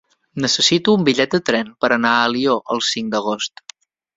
Necessito un bitllet de tren per anar a Alió el cinc d'agost.